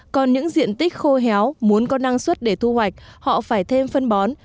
còn những diện tích khô héo muốn có năng suất để thu hoạch họ phải thêm phân bón